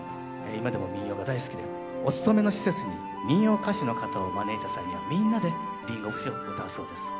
今でも民謡が大好きでお勤めの施設に民謡歌手の方を招いた際にはみんなで「りんご節」をうたうそうです。